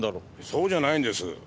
そうじゃないんです。